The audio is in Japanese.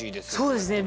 そうですね。